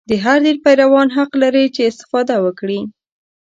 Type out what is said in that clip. د هر دین پیروان حق لري چې استفاده وکړي.